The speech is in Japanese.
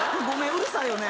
うるさいよね。